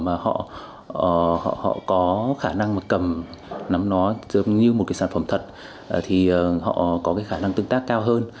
mà họ có khả năng mà cầm nắm nó giống như một cái sản phẩm thật thì họ có cái khả năng tương tác cao hơn